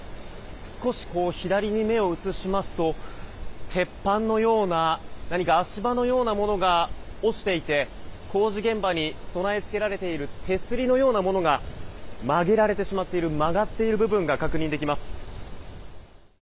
少し左に目を移しますと鉄板のような何か足場のようなものが落ちていて工事現場に備え付けられている手すりのようなものが曲げられてしまっている曲がっている部分が確認できます。